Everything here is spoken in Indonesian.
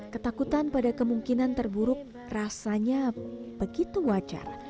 ketakutan pada kemungkinan terburuk rasanya begitu wajar